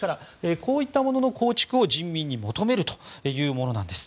こういったものの構築を人民に求めるというものです。